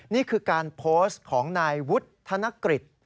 นี่คือการโพสต์ของนายวุฒนกฤษ